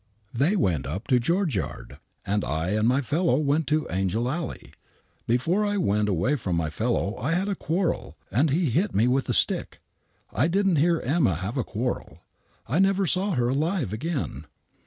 They went up to George Yard and I and my fellow went to Angel Alley. Before I went away from my fellow I had a quarrel, and he hit me with a stick. I didn't hear * Emma ' have a quarrel. I never saw her alive again.